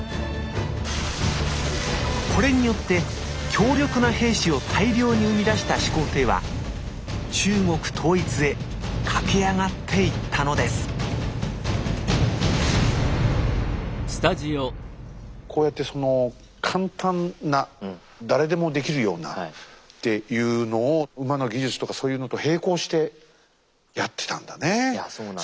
これによって強力な兵士を大量に生み出した始皇帝は中国統一へ駆け上がっていったのですこうやってその簡単な誰でもできるようなっていうのを馬の技術とかそういうのと並行してやってたんだねえ。